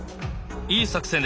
いい作戦です。